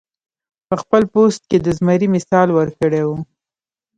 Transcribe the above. پۀ خپل پوسټ کښې د زمري مثال ورکړے وۀ -